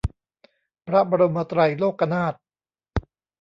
พระบรมไตรโลกนาถ